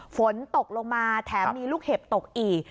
ฝนตกลงมาแถมมีลูกเห็บตกอีก